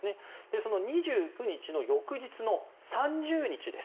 その２９日の翌日の３０日です。